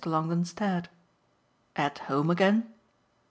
Longdon stared. "At home again?"